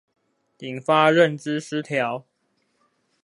引發認知失調